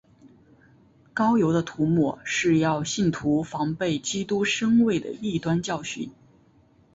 膏油的涂抹是要信徒防备基督身位的异端教训。